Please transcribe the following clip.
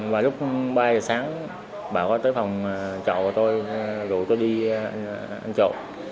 và lúc ba giờ sáng bảo có tới phòng trọ của tôi rủ tôi đi anh trọ